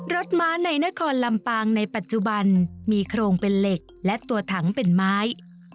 ม้าในนครลำปางในปัจจุบันมีโครงเป็นเหล็กและตัวถังเป็นไม้